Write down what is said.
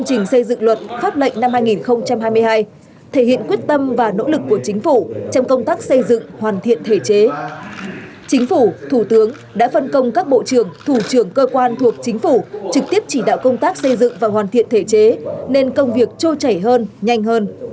chính phủ thủ tướng đã phân công các bộ trưởng thủ trưởng cơ quan thuộc chính phủ trực tiếp chỉ đạo công tác xây dựng và hoàn thiện thể chế nên công việc trôi chảy hơn nhanh hơn